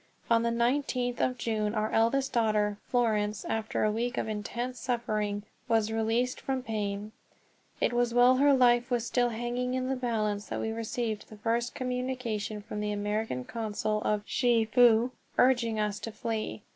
On the nineteenth of June our eldest daughter, Florence, after a week of intense suffering, was released from pain. It was while her life was still hanging in the balance that we received the first communication from the American Consul in Chefoo urging us to flee.